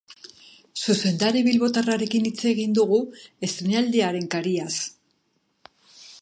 Zuzendari bilbotarrarekin hitz egin dugu, estreinaldiaren kariaz.